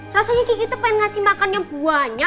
rasanya kiki itu pengen ngasih makan yang buahnya